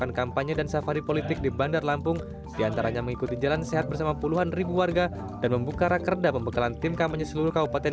hijrah dari sifat sifat yang senuh kegaduhan ke sifat sifat yang penuh dengan keruh punah